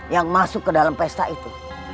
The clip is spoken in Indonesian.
yang masuk ke dalam pesta itu